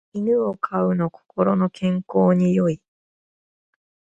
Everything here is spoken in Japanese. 犬を飼うの心の健康に良い